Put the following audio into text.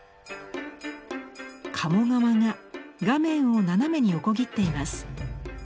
鴨川が画面を斜めに横切っています。